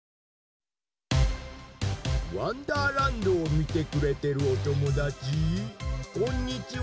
・「わんだーらんど」をみてくれてるおともだちこんにちは！